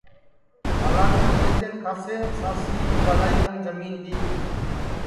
ہالا کے انگرجین کھاسے سانسیں کُو ٻلائی کن جمین دؔی کہ جکو راجپوت ہے ٻو آئی کن اپٹؔی جمین لیوئے